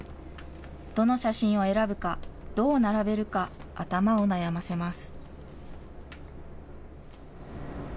どの写真を選ぶか、どう並べるか、頭を悩ませます。